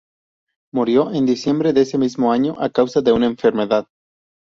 Murió en diciembre de ese mismo año a causa de una enfermedad.